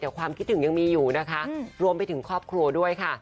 แต่ความคิดถึงยังมีอยู่นะคะรวมไปถึงครอบครัวด้วยค่ะ